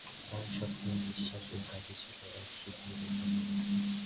তাঁর স্বপ্ন, বিশ্বাস ও কাজে ছিল এক সুদৃঢ় সমন্বয়।